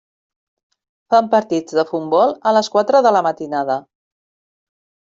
Fan partits de futbol a les quatre de la matinada.